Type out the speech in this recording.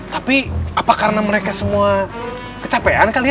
tapi apa karena mereka semua kecapean kali ya